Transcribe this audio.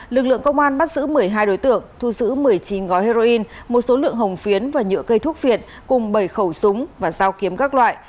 lực lượng công an bắt giữ một mươi hai đối tượng thu giữ một mươi chín gói heroin một số lượng hồng phiến và nhựa cây thuốc viện cùng bảy khẩu súng và dao kiếm các loại